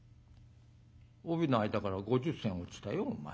帯の間から５０銭落ちたよお前。